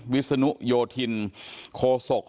วิศนุโยธินโคศก